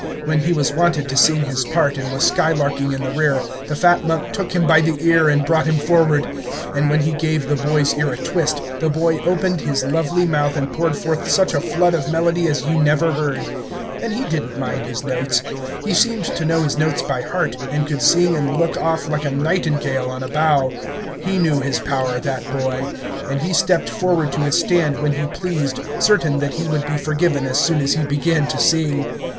When he was wanted to sing his part and was skylarking in the rear, the fat monk took him by the ear and brought him forward; and when he gave the boy's ear a twist, the boy opened his lovely mouth and poured forth such a flood of melody as you never heard. And he did n't mind his notes; he seemed to know his notes by heart, and could sing and look off like a nightingale on a bough. He knew his power, that boy; and he stepped forward to his stand when he pleased, certain that he would be forgiven as soon as he began to sing.